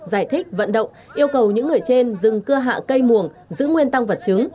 giải thích vận động yêu cầu những người trên dừng cưa hạ cây muồng giữ nguyên tăng vật chứng